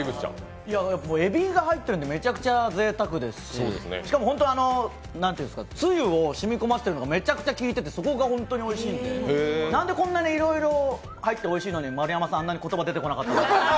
えびが入ってるんでめちゃくちゃぜいたくですししかも、つゆを染み込ませているのがめちゃくちゃ効いててそこが本当においしいんでなんでこんなにいろいろ入っておいしいのに丸山さん、あんなに言葉出てこなかった？